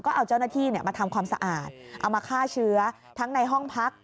ก็เอาเจ้าหน้าที่มาทำความสะอาดเอามาฆ่าเชื้อทั้งในห้องพัก